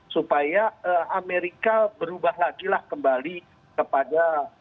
supaya amerika berubah lagi lah kembali kepada